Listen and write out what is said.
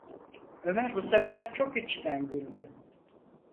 Ömer bu sefer çok içten güldü: